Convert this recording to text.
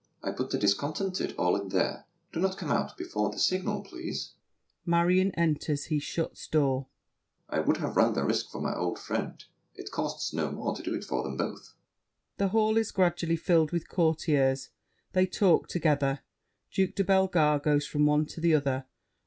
I put the discontented all in there; Do not come out before the signal, please. [Marion enters; he shuts door. I would have run the risk for my old friend. It costs no more to do it for them both. [The hall is gradually filled with Courtiers; they talk together. Duke de Bellegarde goes from one to the other.